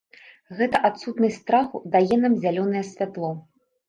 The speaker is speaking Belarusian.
Гэта адсутнасць страху дае нам зялёнае святло.